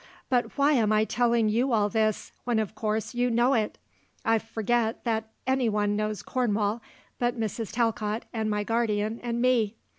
But why am I telling you all this, when of course you know it! I forget that anyone knows Cornwall but Mrs. Talcott and my guardian and me.